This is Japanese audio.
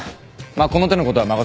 この手のことは任せろ。